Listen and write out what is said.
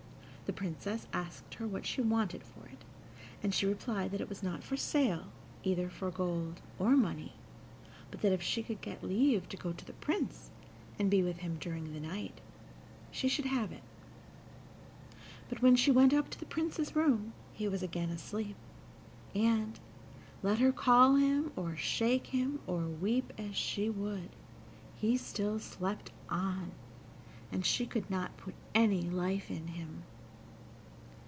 The Princess asked her what she wanted for it, and she replied that it was not for sale, either for gold or money, but that if she could get leave to go to the Prince, and be with him during the night, she should have it. But when she went up to the Prince's room he was again asleep, and, let her call him, or shake him, or weep as she would, he still slept on, and she could not put any life in him.